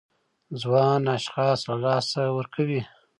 ځوان اشخاص له لاسه ورکوي.